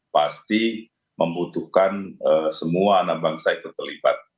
pasti membutuhkan semua anak bangsa yang terkelipat